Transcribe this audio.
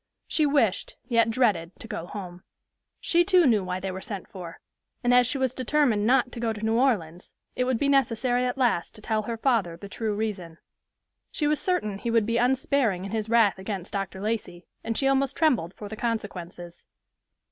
She wished, yet dreaded, to go home. She too knew why they were sent for; and as she was determined not to go to New Orleans, it would be necessary at last to tell her father the true reason. She was certain he would be unsparing in his wrath against Dr. Lacey, and she almost trembled for the consequences.